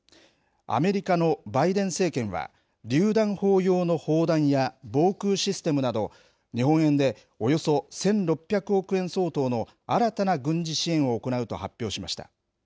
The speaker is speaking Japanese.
アメリカのバイデン政権は、りゅう弾砲用の砲弾や、防空システムなど、日本円でおよそ１６００億円相当の新たな軍事支援を行うと発表しました。